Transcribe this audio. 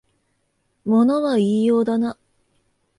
物は言いようだな